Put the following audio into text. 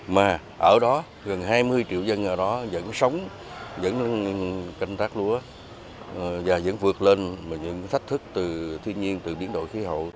mà ở đó gần hai mươi triệu dân ở đó vẫn sống vẫn canh tác lúa và vẫn vượt lên những thách thức từ thiên nhiên từ biến đổi khí hậu